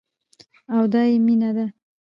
او دايې مينه ده.